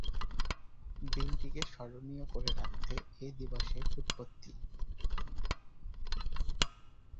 দিনটিকে স্মরণীয় করে রাখতে এ দিবসের উৎপত্তি।